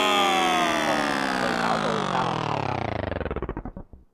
哦，佢搞到間學校噉